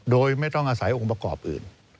โดยไม่ต้องอาศัยองค์ประกอบอื่น